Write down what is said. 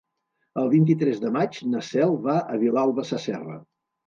El vint-i-tres de maig na Cel va a Vilalba Sasserra.